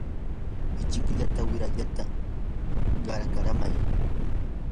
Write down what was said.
ichikllata wirata qaraykamay.